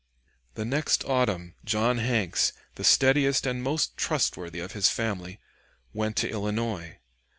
The next autumn, John Hanks, the steadiest and most trustworthy of his family, went to Illinois.